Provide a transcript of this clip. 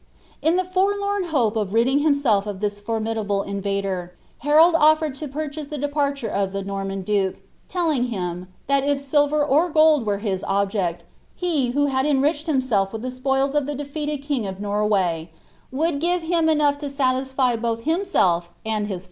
* In the forlorn hope of ridding himself of his formidable invader, Harold offered to purchase the departure of the Norman duke, telling him ^ that if silver or gold were his object, he, who had enriched him self with the spoils of the defeated king of Norway, would give him enough to satisfy both himself and his followers."